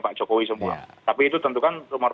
pak jokowi semua tapi itu tentukan rumor